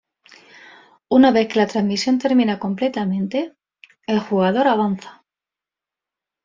Una vez que la transmisión termina completamente, el jugador avanza.